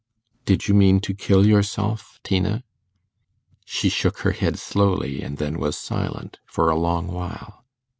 'Did you mean to kill yourself, Tina?' She shook her head slowly, and then was silent for a long while.